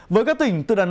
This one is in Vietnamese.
với các tỉnh từ đà nẵng